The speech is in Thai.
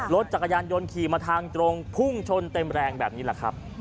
รถจักรยานยนต์ขี่มาทางตรงพุ่งชนเต็มแรงแบบนี้แหละครับ